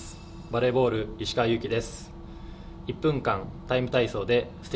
バレーボール、石川祐希です。